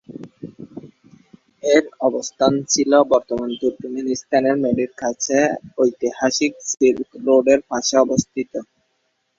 এর অবস্থান ছিল বর্তমান তুর্কমেনিস্তানের মেরির কাছে ঐতিহাসিক সিল্ক রোডের পাশে অবস্থিত।